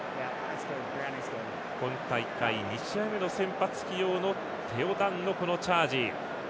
今大会２試合目の先発起用のテオ・ダンの、このチャージ。